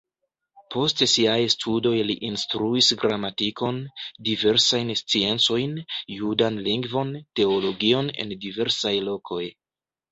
Post siaj studoj li instruis gramatikon, diversajn sciencojn, judan lingvon, teologion en diversaj lokoj.